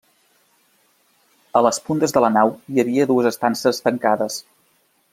A les puntes de la nau hi havia dues estances tancades.